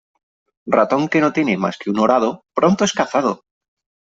Ratón que no tiene más que un horado, pronto es cazado.